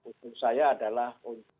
usul saya adalah